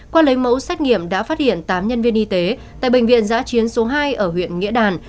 qua lấy mẫu xét nghiệm đã phát hiện tám nhân viên y tế tại bệnh viện giã chiến số hai ở huyện nghĩa đàn